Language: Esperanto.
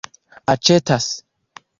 aĉetas